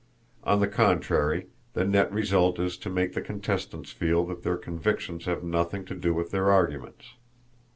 On the contrary, the net result is to make the contestants feel that their convictions have nothing to do with their arguments.